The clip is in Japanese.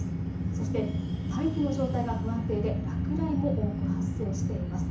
そして大気の状態が不安定で落雷も多く発生しています。